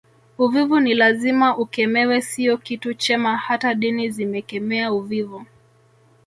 Uvivu ni lazima ukemewe sio kitu chema hata dini zimekemea uvivu